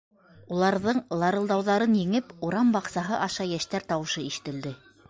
Уларҙың ларылдауҙарын еңеп, урам баҡсаһы аша йәштәр тауышы ишетелде.